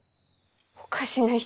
おかしな人。